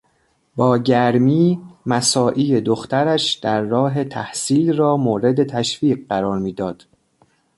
با گرمی مساعی دخترش در راه تحصیل را مورد تشویق قرار میداد.